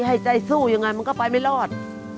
ให้ใจสู้ยังไงมันก็ไปไม่รอด